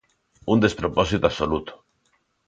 ¡Un despropósito absoluto!